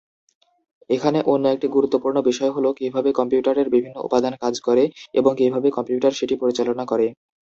এখানে অন্য একটি গুরুত্বপূর্ণ বিষয় হল কিভাবে কম্পিউটারের বিভিন্ন উপাদান কাজ করে এবং কিভাবে কম্পিউটার সেটি পরিচালনা করে।